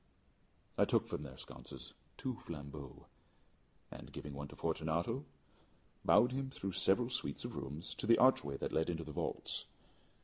I took from their sconces two flambeaux, and giving one to Fortunato, bowed him through several suites of rooms to the archway that led into the vaults.